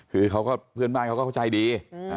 คือเขาก็เพื่อนบ้านเขาก็เข้าใจดี